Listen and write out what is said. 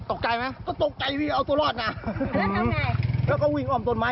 ตกใจไหมก็ตกใจวิ่งเอาตัวรอดน่ะแล้วทำไงแล้วก็วิ่งอ้อมต้นไม้